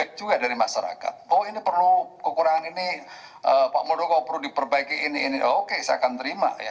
kalau perlu kekurangan ini pak muldoko perlu diperbaiki ini oke saya akan terima